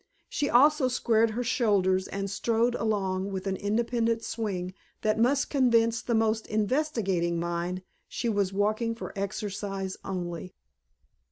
She also squared her shoulders and strode along with an independent swing that must convince the most investigating mind she was walking for exercise only.